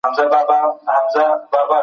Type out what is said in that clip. بې تجربې کسان ټولنې ته زیان رسوي.